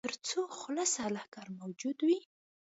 تر څو خلصه لښکر موجود وي.